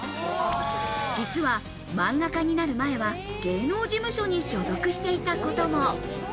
実は、漫画家になる前は芸能事務所に所属していたことも。